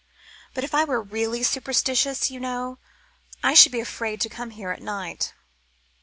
But if I were really superstitious, you know, I should be afraid to come here at night."